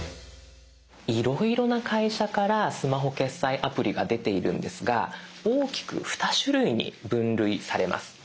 いろいろな会社からスマホ決済アプリが出ているんですが大きく二種類に分類されます。